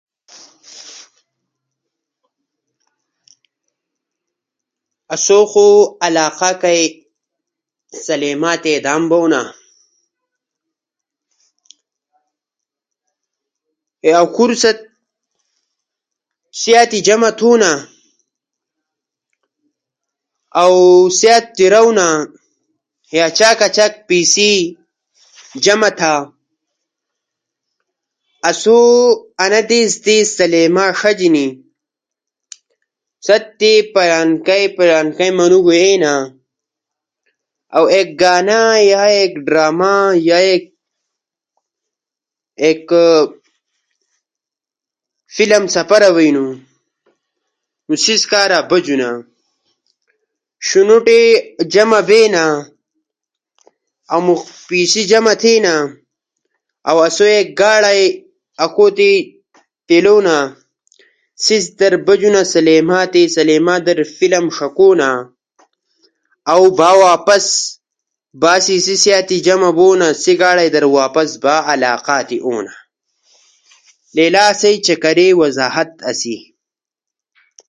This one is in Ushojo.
آسئی خو علاقہ کئی سلیما تی ادامو بونا کے اکھورو ست سأت جمع تھونا۔ اؤ سأت تی رؤنا، کے اچاک اچاک پیسے جمع تھا۔ اسو انا دیس دیس سلیما تی فلم ݜجنی۔ سا تی پلانکئی پلانکئی منوڙو اینا، پلانکئی پلانکئی فلم ݜجینا، پلانکئی پلانکئی اداکارو فلم ݜجینا۔ ایک گانا، ایک ڈرامہ یا ایک فلم سپارا بئینو، نو سیس کارا بجونا۔ شنوٹے جمع بینا، اؤ پیسے ہم سمٹینا، اؤ اسو ایک گاڑے اسو تی پیلونا، سیس در سلیما تی بجونا۔ سلیما در فلم ݜکونا۔ با واپس سیسی سأت جمع بونا سی گاڑے در با واپس تمو علاقہ تی اونا۔ لیلا اسئی چکرے وضاحت اسی۔ جے اسو فلم ݜکونو پروگرام سپارونا نو اسو ہفتہ دُو موݜو سأت ست مشورہ تھونا کے پلانکئی دیس فلم ݜکونو تی بجنی سا تیاری تھا۔ با پیسے برابر بیلو نو اسو گاڑے بندوبست کئی بعد فلم ݜکونو کارا سلیما تی بجونا۔ سلیما اسئی علاقہ کئی لالو دور ہنی۔ سیس کارا اسئی بار بار سلیما تی نی بجبھونا۔ موس در یا کال در ایک بار سلیما تی فلم ݜکونو پروگرام سپارونا۔ چین گا تا سمارٹ فون در خلق ہر نمونا فلم تمو گوٹی در ݜکی۔ فلم ݜکونو کارا سلیما تی بجونو ضرورت نیش۔ بس نیٹ پیکیج تھا او ہر نمونا فلم، ویڈیو ݜکا۔ پخوا دور در سلیما تی فلم ݜکونو ایک مزا آسی۔ با دما دمادے وی سی آر آلے۔ خلق تمو گوٹو تی وی سی آر در فلم ݜکونا۔ بازار در ہم دکان در وی سی آر بندوبست آسی خلق فلم ݜکے۔ با ٹی وی سسٹم عام بینو۔ چین گا انا دور در ہر منوڙو ست جیب در فلم ہنی۔